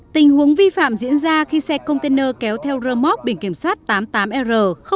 tình huống vi phạm diễn ra khi xe container kéo theo rơ móc bình kiểm soát tám mươi tám r sáu trăm bảy mươi một